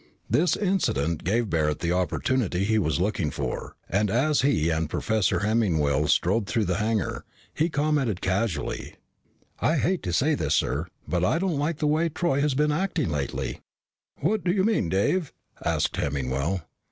This incident gave Barret the opportunity he was looking for, and as he and Professor Hemmingwell strode through the hangar, he commented casually, "I hate to say this, sir, but I don't like the way Troy has been acting lately." "What do you mean, Dave?" asked Hemmingwell.